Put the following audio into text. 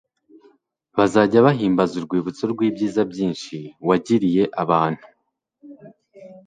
bazajya bahimbaza urwibutso rw'ibyiza byinshi wagiriye abantu